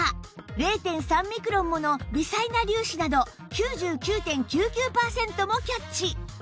０．３ ミクロンもの微細な粒子など ９９．９９ パーセントもキャッチ